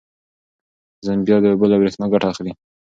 زمبیا د اوبو له برېښنا ګټه اخلي.